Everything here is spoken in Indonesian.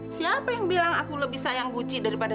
siapa yang bilang aku lebih sayang kucy dari bukanya